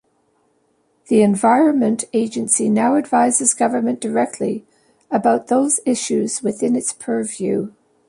The Environment Agency now advises Government directly about those issues within its purview.